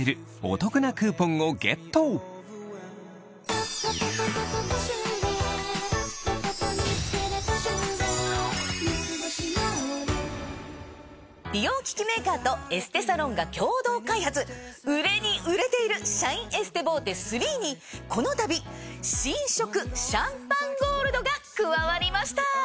日テレポシュレＷｅｂ本店からのご注文なら美容機器メーカーとエステサロンが共同開発売れに売れているシャインエステボーテ３にこのたび新色シャンパンゴールドが加わりました。